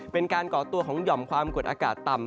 ก่อตัวของหย่อมความกดอากาศต่ำ